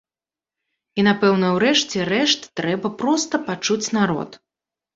І, напэўна, у рэшце рэшт трэба проста пачуць народ.